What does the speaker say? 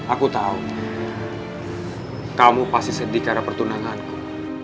aku tahu kamu pasti sedih karena pertunanganku